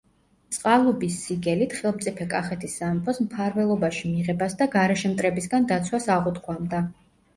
წყალობის სიგელით ხელმწიფე კახეთის სამეფოს მფარველობაში მიღებას და გარეშე მტრებისაგან დაცვას აღუთქვამდა.